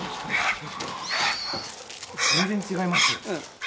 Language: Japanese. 全然違いますね。